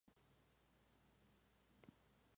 En la estación, los trenes avanzan sin detenerse.